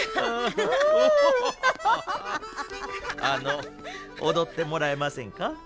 あの踊ってもらえませんか？